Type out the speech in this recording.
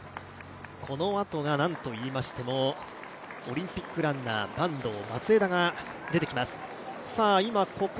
このあとがなんといいましても、オリンピックランナー、坂東・松枝が出てきます。